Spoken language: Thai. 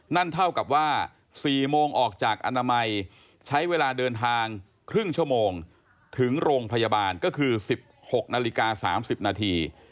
นั่นเท่ากับว่า๔โมงออกจากอนามัยใช้เวลาเดินทางครึ่งชั่วโมงถึงโรงพยาบาลก็คือ๑๖นาฬิกา๓๐นาที